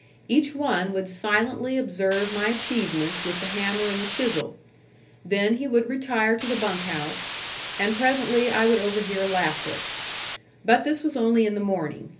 Each one would silently observe my achievements with the hammer and the chisel. Then he would retire to the bunk house, and presently I would overhear laughter. But this was only in the morning.